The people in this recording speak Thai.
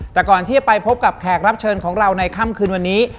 แต่ก่อนที่จะไปพบกับแขกรับเชิญของเราในค่ำคืนวันนี้